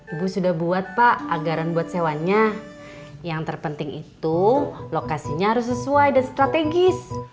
ibu sudah buat pak anggaran buat sewanya yang terpenting itu lokasinya harus sesuai dan strategis